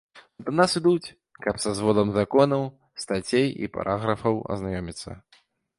А да нас ідуць, каб са зводам законаў, стацей і параграфаў азнаёміцца.